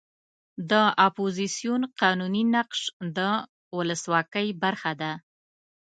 د اپوزیسیون قانوني نقش د ولسواکۍ برخه ده.